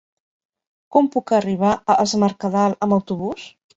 Com puc arribar a Es Mercadal amb autobús?